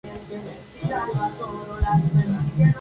Zamenhof sugirió la pronunciación italiana como la correcta.